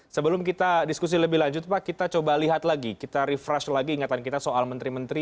sebelum kita diskusi lebih lanjut pak kita coba lihat lagi kita refresh lagi ingatan kita soal menteri menteri